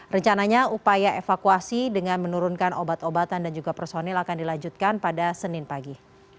rencananya upaya evakuasi dengan menurunkan obat obatan dan juga personil akan dilanjutkan pada senin pagi